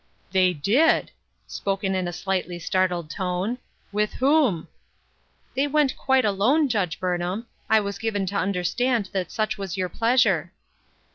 "They did !" spoken in a slightly startled tone. "With whom?" "They went quite alone, Judge Burnham. I was given to understand that such was your pleasure."